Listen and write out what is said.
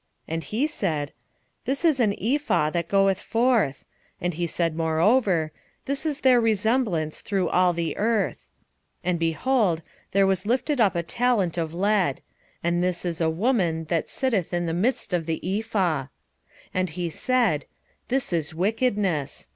And he said, This is an ephah that goeth forth. He said moreover, This is their resemblance through all the earth. 5:7 And, behold, there was lifted up a talent of lead: and this is a woman that sitteth in the midst of the ephah. 5:8 And he said, This is wickedness.